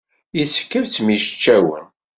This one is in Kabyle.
Yessefk ad mmečcawen.